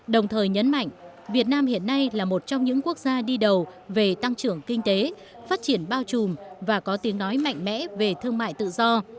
đồng thời nhấn mạnh việt nam hiện nay là một trong những quốc gia đi đầu về tăng trưởng kinh tế phát triển bao trùm và có tiếng nói mạnh mẽ về thương mại tự do